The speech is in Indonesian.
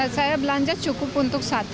saya belanja cukup untuk sate